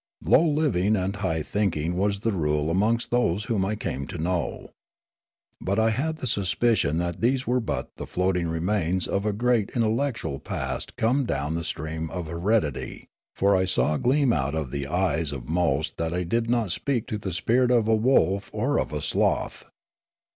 Low living and high thinking was the rule amongst those whom I came to know. But I had the suspicion that these were but the floating remains of a great intel lectual past come down the stream of heredity, for I saw gleam out of the eyes of most that I did not speak to the spirit of a wolf or of a sloth.